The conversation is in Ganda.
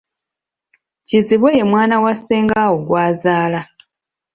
Kizibwe ye mwana wa Ssengaawo gw'azaala.